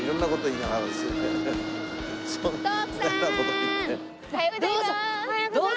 おはようございます。